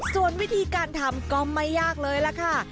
ส่วนวิธีการทำก็ไม่ยากเลยล่ะค่ะ